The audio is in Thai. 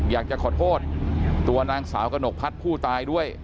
อยากจะขอโทษตัวนางสาวกระหนกพัฒน์ผู้ตายด้วย